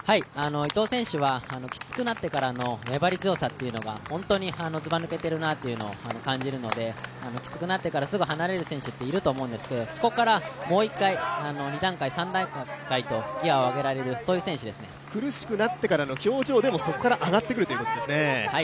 伊藤選手はきつくなってからの粘り強さというのがずばぬけているなというのを感じるのできつくなってからすぐ離れる選手っていると思うんですけど、そこからもう一回２段階、３段階とギヤを上げられる苦しくなってからでもそこから上がってくるということですね。